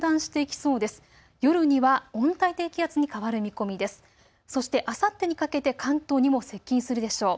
そして、あさってにかけて関東にも接近するでしょう。